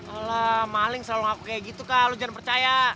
alah maling selalu ngaku kayak gitu kak lu jangan percaya